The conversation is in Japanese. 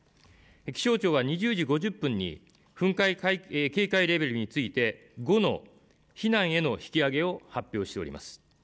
気象庁は２０時５０分に噴火警戒レベルについて、５の「避難」への引き上げを発表しております。